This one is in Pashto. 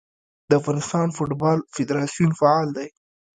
د افغانستان فوټبال فدراسیون فعال دی.